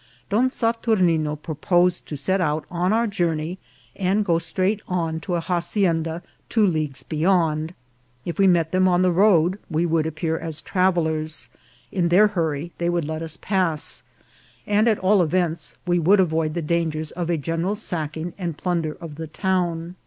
Don Saturnine proposed to set out on our journey, and go straight on to a hacienda two leagues beyond ; if we met them on the road we would appear as travellers ; in their hurry they would let us pass ; CONFUSION AND TERROR. 71 and, at all events, we would avoid the dangers of a general sacking and plunder of the town.